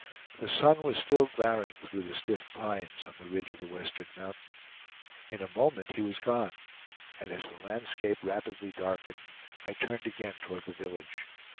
The sun was still glaring through the stiff pines on the ridge of the western mountain. In a moment he was gone, and as the landscape rapidly darkened, I turned again toward the village.